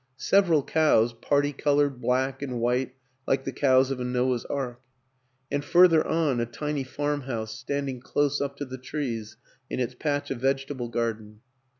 Several cows, parti colored black and white like the cows of a Noah's Ark; and, further on, a tiny farmhouse standing close up to the trees in its patch of vegetable garden.